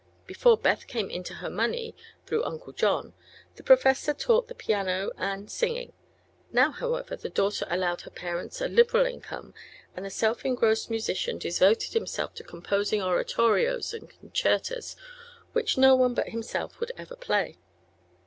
Before Beth came into her money, through Uncle John, the Professor taught the piano and singing; now, however, the daughter allowed her parents a liberal income, and the self engrossed musician devoted himself to composing oratorios and concertas which no one but himself would ever play.